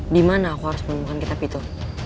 di mana aku harus menemukan kitab itu